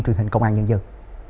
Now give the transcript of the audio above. truyền hình công an nhân dân